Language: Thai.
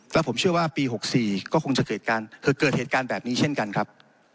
แล้วผมเชื่อว่าปี๖๔ก็คงจะเกิดเหตุการณ์แบบนี้เช่นกันครับ